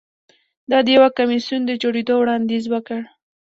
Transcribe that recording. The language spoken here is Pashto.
ده د یو کمېسیون د جوړېدو وړاندیز وکړ.